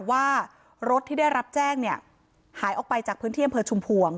ว่ารถที่ได้รับแจ้งเนี่ยหายออกไปจากพื้นที่อำเภอชุมพวง